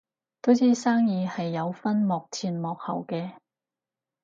都知生意係有分幕前幕後嘅